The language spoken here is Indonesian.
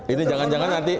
ini jangan jangan nanti